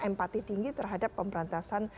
empati tinggi terhadap pemberantasan